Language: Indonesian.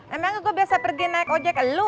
emang gue biasa pergi naik ojek